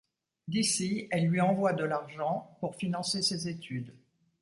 D'ici, elle lui envoie de l'argent pour financer ses études.